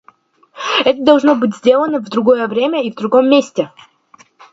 Это должно быть сделано в другое время и в другом месте.